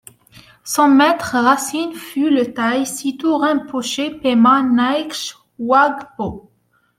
Son maître racine fut le Taï Sitou Rinpoché, Pema Nyingche Wangpo.